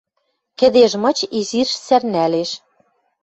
Кӹдеж мыч изиш сӓрнӓлеш.